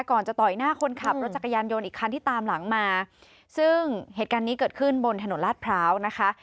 ก่อนจะต่อยหน้าคนขับรถจักรยานยนต์อีกคันที่ตามหลังมาซึ่งเหตุการณ์นี้เกิดขึ้นบนถนนลาดพร้าวนะคะ